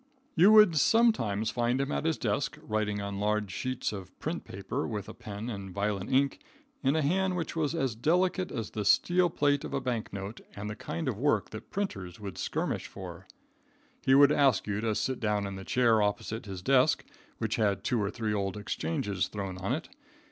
You would sometimes find him at his desk, writing on large sheets of "print paper" with a pen and violet ink, in a hand that was as delicate as the steel plate of a bank note and the kind of work that printers would skirmish for. He would ask you to sit down in the chair opposite his desk, which had two or three old exchanges thrown on it.